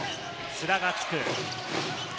須田がつく。